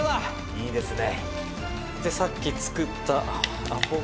「いいですね」